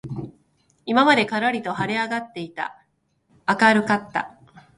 今までからりと晴はれ上あがって明あかるかった